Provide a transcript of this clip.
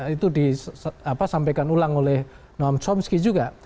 itu disampaikan ulang oleh noam chomsky juga